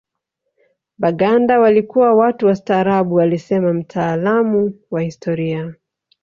Baganda walikuwa watu wastaarabu alisema mtaalamu wa historia